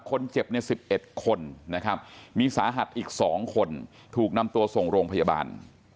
คนเจ็บใน๑๑คนนะครับมีสาหัสอีก๒คนถูกนำตัวส่งโรงพยาบาล